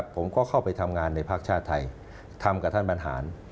ผมก็เข้าไปทำงานในภาคชาติไทยทำกับท่านบรรหาร